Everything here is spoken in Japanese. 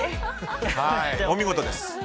お見事です。